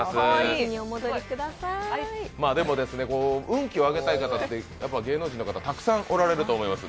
運気を上げたい方って芸能人の方たくさんおられると思います。